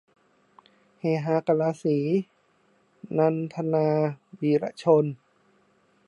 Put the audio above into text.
เฮฮากะลาสี - นันทนา วีระชน